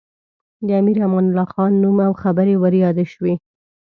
د امیر امان الله خان نوم او خبرې ور یادې شوې.